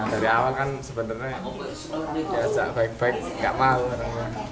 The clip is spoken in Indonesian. dari awal kan sebenarnya diajak baik baik gak malu